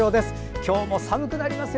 今日も寒くなりますよ。